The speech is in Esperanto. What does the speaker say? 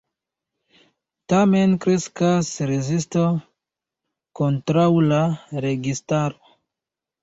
Tamen kreskas rezisto kontraŭ la registaro.